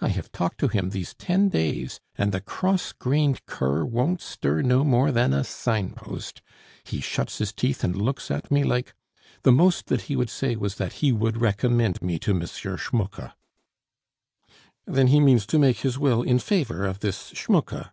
I have talked to him these ten days, and the cross grained cur won't stir no more than a sign post. He shuts his teeth and looks at me like The most that he would say was that he would recommend me to M. Schmucke." "Then he means to make his will in favor of this Schmucke?"